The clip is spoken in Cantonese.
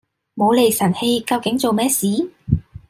無厘神氣，究竟做乜事？